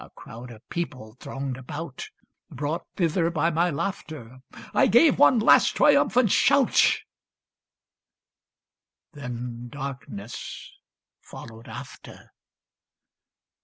A crowd of people thronged about, Brought thither by my laughter; I gave one last triumphant shout Then darkness followed after.